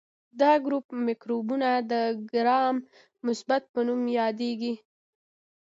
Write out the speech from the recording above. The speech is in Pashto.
دا ګروپ مکروبونه د ګرام مثبت په نوم یادیږي.